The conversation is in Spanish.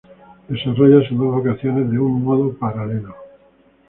Desarrolla sus dos vocaciones de un modo paralelo.